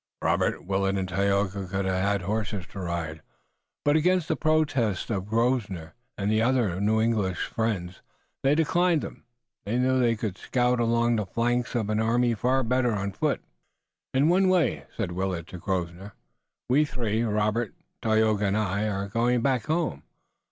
Robert, Willet and Tayoga could have had horses to ride, but against the protests of Grosvenor and their other new English friends they declined them. They knew that they could scout along the flanks of an army far better on foot. "In one way," said Willet, to Grosvenor, "we three, Robert, Tayoga and I, are going back home.